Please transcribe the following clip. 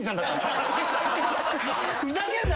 ふざけんな！